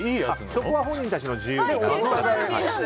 そこは本人たちの自由です。